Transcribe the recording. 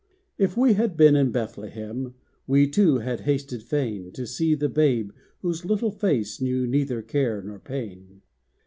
If we had been in Bethlehem, We too had hasted fain To see the Babe whose little face Knew neither care nor pain.